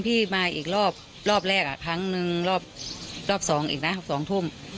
พี่มาอีกรอบรอบแรกอ่ะครั้งหนึ่งรอบรอบสองอีกนะสองทุ่ม